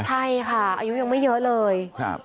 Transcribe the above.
ใช่ค่ะอายุยังไม่เยอะเลย